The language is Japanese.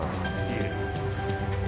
いえ。